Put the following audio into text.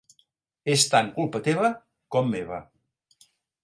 És tant culpa teva com meva.